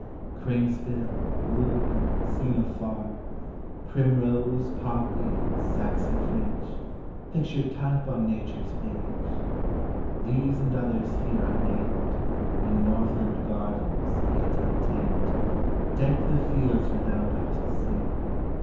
Crane's bill, lupine, seen afar, Primrose, poppy, saxifrage, Pictured type on Nature's page— These and others here unnamed, In northland gardens, yet untamed, Deck the fields where thou dost sing.